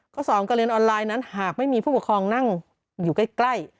สองการเรียนออนไลน์นั้นหากไม่มีผู้ปกครองนั่งอยู่ใกล้